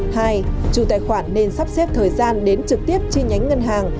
hai chủ tài khoản nên sắp xếp thời gian đến trực tiếp chi nhánh ngân hàng